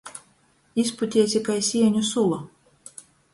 Izputiesi kai sieņu sula.